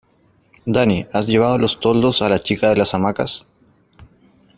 Dani, ¿has llevado los toldos a la chica de las hamacas?